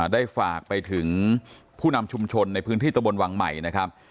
ได้ฝากไปถึงผู้นำชุมชนในพื้นที่ตะบนวังใหม่นะครับ